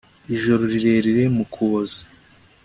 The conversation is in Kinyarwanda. Ijoro rirerire mu Kuboza